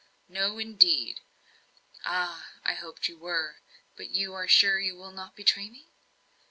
"No, indeed." "Ah! I hoped you were. But you are sure you will not betray me?"